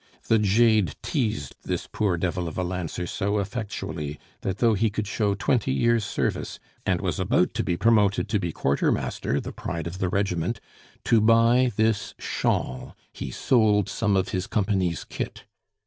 The jade teased this poor devil of a lancer so effectually, that though he could show twenty years' service, and was about to be promoted to be quartermaster the pride of the regiment to buy this shawl he sold some of his company's kit.